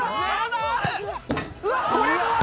うわっこれも枠！